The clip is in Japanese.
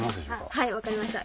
はい分かりました。